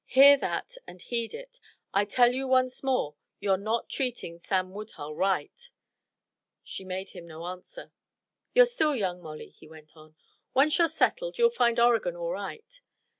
Hear that, and heed it. I tell you once more, you're not treating Sam Woodhull right." She made him no answer. "You're still young, Molly," he went on. "Once you're settled you'll find Oregon all right.